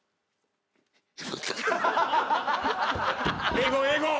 英語英語！